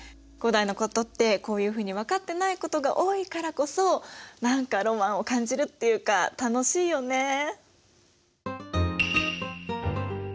古代のことってこういうふうに分かってないことが多いからこそ何かロマンを感じるっていうか楽しいよね。